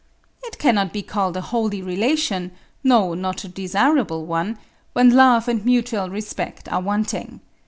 It cannot be called a holy relation, no, not a desirable one, when love and mutual respect are wanting.